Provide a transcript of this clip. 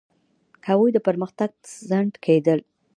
هغوی د پرمختګ خنډ کېدل.